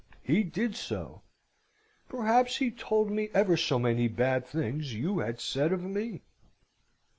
He did so. Perhaps he told me ever so many bad things you had said of me."